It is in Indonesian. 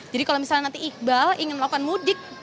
jadi kalau misalnya nanti iqbal ingin melakukan mudik